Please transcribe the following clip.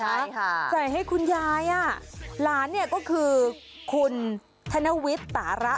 ใช่ค่ะใส่ให้คุณยายอ่ะหลานเนี่ยก็คือคุณธนวิทย์ตาระ